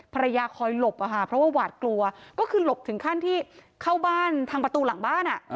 ภรรยาคอยหลบอะค่ะเพราะว่าหวาดกลัวก็คือหลบถึงขั้นที่เข้าบ้านทางประตูหลังบ้าน